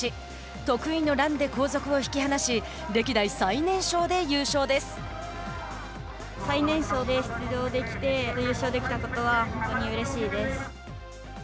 得意のランで後続を引き離し歴代最年少で優勝です。